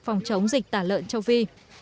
phòng chống dịch tả lợn châu phi